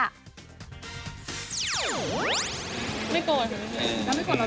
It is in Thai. ไม่โกรธ